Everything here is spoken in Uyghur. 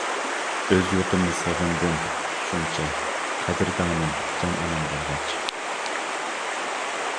ئۆز يۇرتۇمنى سېغىندىم شۇنچە، قەدىردانىم جان ئانام بولغاچ.